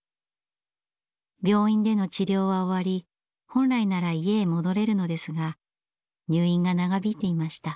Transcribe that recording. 病院での治療は終わり本来なら家へ戻れるのですが入院が長引いていました。